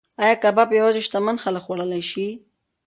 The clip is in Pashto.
ایا کباب یوازې شتمن خلک خوړلی شي؟